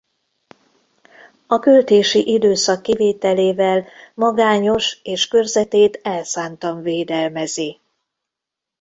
A költési időszak kivételével magányos és körzetét elszántan védelmezi.